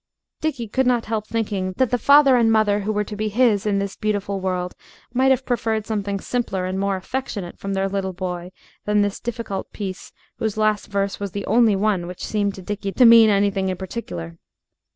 Dickie could not help thinking that the father and mother who were to be his in this beautiful world might have preferred something simpler and more affectionate from their little boy than this difficult piece whose last verse was the only one which seemed to Dickie to mean anything in particular.